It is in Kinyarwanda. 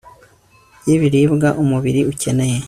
yi biribwa umubiri ukeneye